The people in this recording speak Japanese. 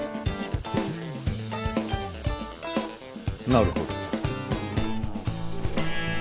なるほど。